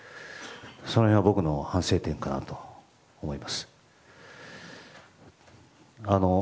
その辺は僕の反省点かなと思います。